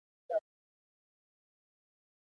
تره وويل چې دا پوښتنه غلطه ده.